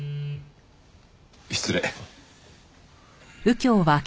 失礼。